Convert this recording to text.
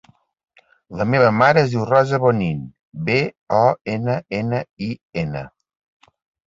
La meva mare es diu Rosa Bonnin: be, o, ena, ena, i, ena.